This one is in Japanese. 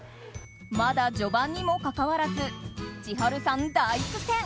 まだ序盤にもかかわらず千春さん、大苦戦。